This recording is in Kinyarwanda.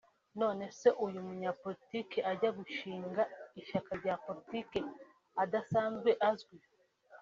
none se umunyapolitiki ajya gushinga ishyaka rya politiki adasanzwe azwi